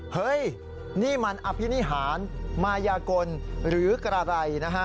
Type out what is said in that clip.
เฮ้ยนี่มันอภินิหารมายากลหรือกระไรนะฮะ